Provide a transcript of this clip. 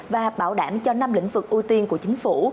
và bảo đảm cho năm lĩnh vực ưu tiên của chính phủ